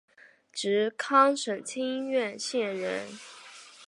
直隶省清苑县人。